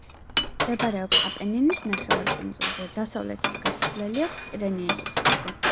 მდებარეობს აპენინის ნახევარკუნძულზე, დასავლეთით გასასვლელი აქვს ტირენიის ზღვაზე.